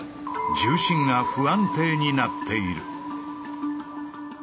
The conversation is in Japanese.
重心が不安定になっている。